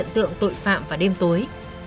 tượng tội phạm và đêm tối